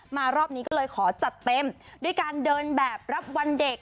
รอบนี้ก็เลยขอจัดเต็มด้วยการเดินแบบรับวันเด็ก